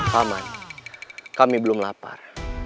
paman kami belum lapar